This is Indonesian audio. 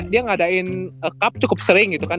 dia ngadain cup cukup sering gitu kan